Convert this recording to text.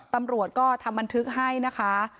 ตำรวจก็ทำบันทึกให้นะคะ